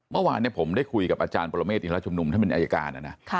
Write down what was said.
เมื่อวานผมได้คุยกับอาจารย์ประโลเมฆอินทรัฐชมนุมถ้าเป็นอัยการ